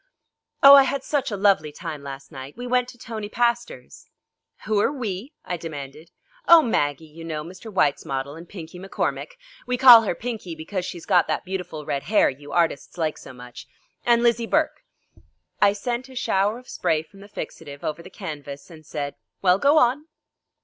"Oh, I had such a lovely time last night. We went to Tony Pastor's." "Who are 'we'?" I demanded. "Oh, Maggie, you know, Mr. Whyte's model, and Pinkie McCormick we call her Pinkie because she's got that beautiful red hair you artists like so much and Lizzie Burke." I sent a shower of spray from the fixative over the canvas, and said: "Well, go on."